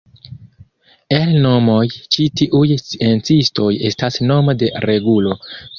El nomoj ĉi tiuj sciencistoj estas nomo de regulo.